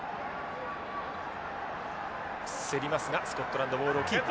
競りますがスコットランドボールをキープ。